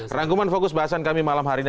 rangkuman fokus bahasan kami malam hari ini